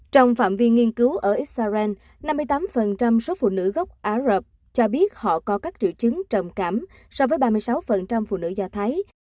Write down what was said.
trong phạm vi nghiên cứu ở israel năm mươi tám số phụ nữ gốc á rập cho biết họ có các triệu chứng trầm cảm so với ba mươi sáu phụ nữ do thái